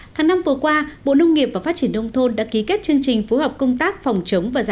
tháng năm vừa qua bộ nông nghiệp và phát triển đông thôn đã ký kết chương trình phối hợp công tác phòng chống và giải quyết